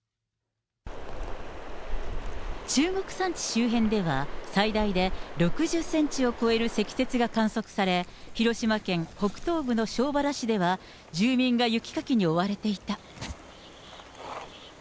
中国山地周辺では、最大で６０センチを超える積雪が観測され、広島県北東部の庄原市では、住民が雪かきに追われていた。